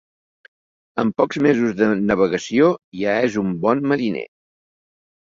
Amb pocs mesos de navegació ja és un bon mariner.